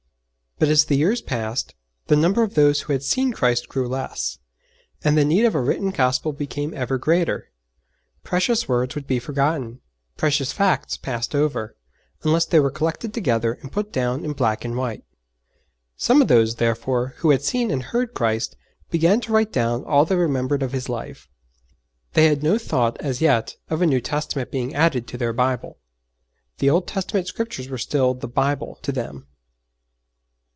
But as the years passed, the number of those who had seen Christ grew less, and the need of a written Gospel became ever greater. Precious words would be forgotten, precious facts passed over, unless they were collected together and put down in black and white. Some of those, therefore, who had seen and heard Christ began to write down all they remembered of His life. They had no thought, as yet, of a New Testament being added to their Bible; the Old Testament Scriptures were still the 'Bible' to them.